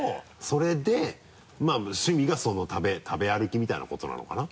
それで趣味が食べ歩きみたいなことなのかな？